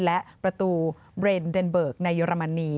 และประตูเบรนด์เดนเบิกในเยอรมนี